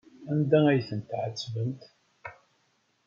Anda ay tent-tɛettbemt?